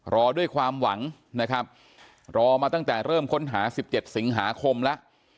รอด้วยความหวังนะครับรอมาตั้งแต่เริ่มค้นหา๑๗สิงหาคมแล้ว